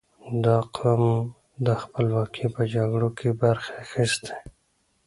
• دا قوم د خپلواکۍ په جګړو کې برخه اخیستې.